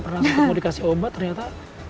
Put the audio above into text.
pernah mau dikasih obat ternyata